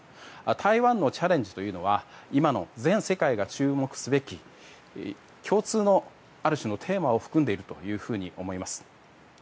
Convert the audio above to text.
台湾のチャレンジというのは今の全世界が注目すべき共通のある種のテーマを含んでいると思います。